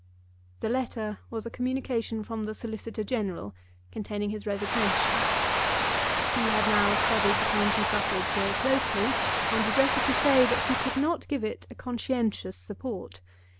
The letter was a communication from the Solicitor General containing his resignation. He had now studied the County Suffrage Bill closely, and regretted to say that he could not give it a conscientious support.